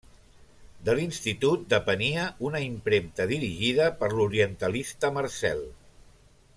De l'Institut depenia una impremta dirigida per l'orientalista Marcel.